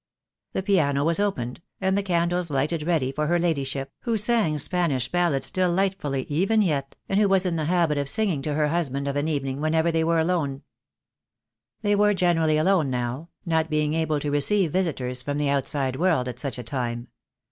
The piano was opened, and the candles lighted ready for her ladyship, who sang Spanish ballads delightfully even yet, and who was in the habit of singing to her husband of an evening whenever they were alone. THE DAY WILL COME. I4I They were generally alone now, not being able to re ceive visitors from the outside world at such a time.